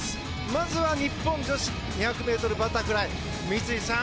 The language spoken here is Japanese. まずは日本女子２００ｍバタフライ三井さん